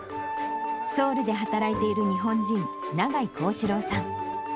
ソウルで働いている日本人、永井宏志郎さん。